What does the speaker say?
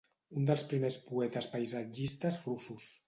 Un dels primers poetes paisatgistes russos.